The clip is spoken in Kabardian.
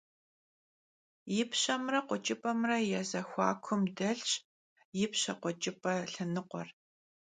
Yipşemre khueç'ıp'emre ya zexuakum delhş yipşe - khueç'ıp'e lhenıkhuer.